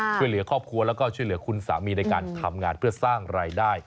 ช่วยเหลือครอบครัวแล้วก็ช่วยเหลือคุณสามีในการทำงานเพื่อสร้างรายได้